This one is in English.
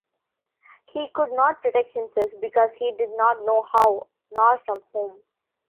He could not protect himself, because he did not know how, nor from whom.